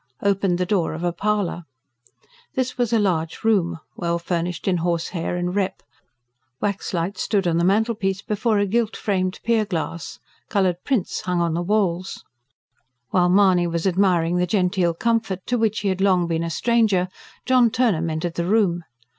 opened the door of a parlour. This was a large room, well furnished in horsehair and rep. Wax lights stood on the mantelpiece before a gilt framed pierglass; coloured prints hung on the walls. While Mahony was admiring the genteel comfort to which he had long been a stranger, John Turnham entered the room.